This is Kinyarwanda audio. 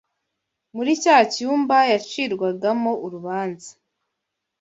muri cya cyumba yacirwagamo urubanza,